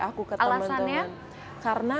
aku ke teman teman alasannya karena